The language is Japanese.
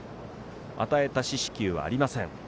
与えた四死球はありません。